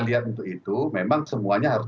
lihat untuk itu memang semuanya harus